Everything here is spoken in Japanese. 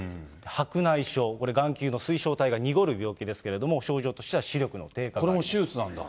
白内障、これ、眼球の水晶体が濁る病気ですけれども、症状としてこれも手術なんだ。